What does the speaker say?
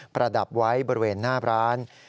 ประดับไว้บริเวณหน้าร้าน